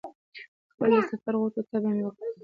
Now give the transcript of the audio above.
خپلې د سفر غوټو ته به مې وکتل.